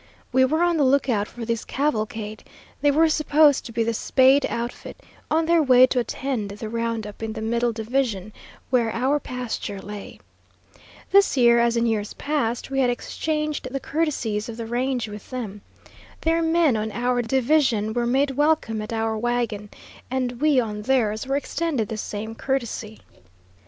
We were on the lookout for this cavalcade; they were supposed to be the "Spade" outfit, on their way to attend the round up in the middle division, where our pasture lay. This year, as in years past, we had exchanged the courtesies of the range with them. Their men on our division were made welcome at our wagon, and we on theirs were extended the same courtesy.